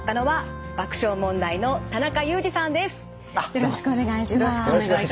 よろしくお願いします。